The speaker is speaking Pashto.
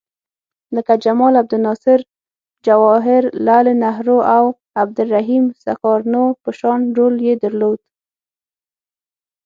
لکه جمال عبدالناصر، جواهر لعل نهرو او عبدالرحیم سکارنو په شان رول یې درلود.